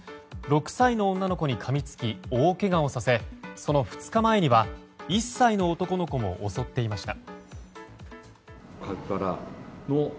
６歳の女の子にかみつき大けがをさせその２日前には１歳の男の子も襲っていました。